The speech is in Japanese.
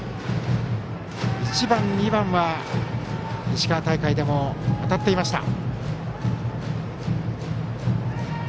１番、２番は石川大会でも当たっていました。